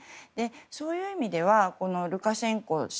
そういう意味ではルカシェンコ氏。